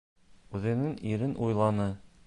Үҙенең ирен уйланы.